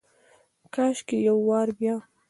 کاشکي یو وارې بیا،